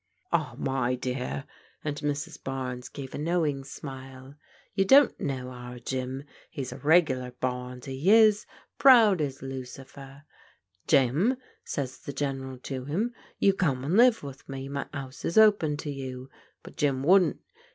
" Ah, my dear," and Mrs. Barnes gave a knowing smile, " you don't know our Jim. He's a regular Barnes, he is ; proud as Lucifer. * Jim,' says the General to 'im, 'you come and live with me; my 'ouse is open to you.' But Jim wouldn't.